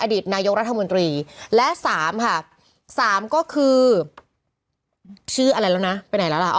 อดีตนายกรัฐมนตรีและสามค่ะสามก็คือชื่ออะไรแล้วนะไปไหนแล้วล่ะ